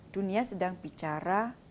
dunia sedang bicara